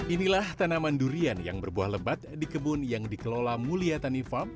inilah tanaman durian yang berbuah lebat di kebun yang dikelola mulia tani farm